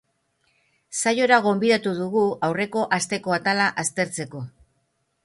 Saiora gonbidatu dugu, aurreko asteko atala aztertzeko.